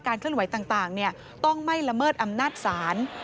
เคลื่อนไหวต่างต้องไม่ละเมิดอำนาจศาล